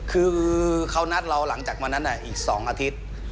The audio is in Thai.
คือเขานัดเราหลังจากวันนั้นอีก๒อาทิตย์